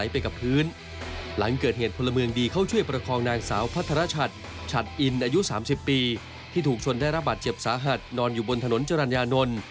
พุ่งชนได้รับบาดเจ็บสาหัสนอนอยู่บนถนนจรรยานนล